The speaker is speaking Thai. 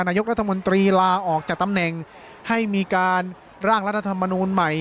นายกรัฐมนตรีลาออกจากตำแหน่งให้มีการร่างรัฐธรรมนูลใหม่